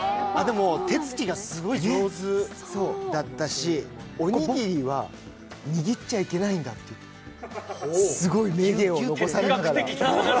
手つきがすごい上手だったし、おにぎりは握っちゃいけないんだっていうすごい名言を残されながら。